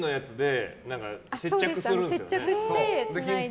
接着して、つないで。